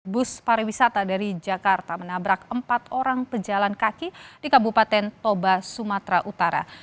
bus pariwisata dari jakarta menabrak empat orang pejalan kaki di kabupaten toba sumatera utara